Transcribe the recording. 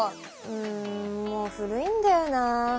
んもう古いんだよな。